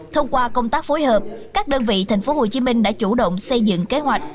thông qua công tác phối hợp các đơn vị tp hcm đã chủ động xây dựng kế hoạch